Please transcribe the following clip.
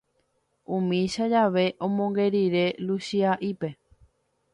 Umícha jave, omonge rire Luchia'ípe